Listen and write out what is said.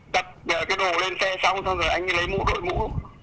đặt cái đồ lên xe xong rồi anh ấy lấy mũ đội mũ